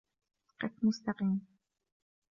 قف مستقيم